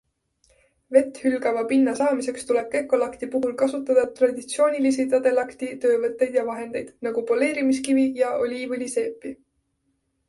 Vetthülgava pinna saamiseks tuleb gekolakti puhul kasutada traditsioonilisi tadelakti töövõtteid ja -vahendeid nagu poleerimiskivi ja oliivõliseepi.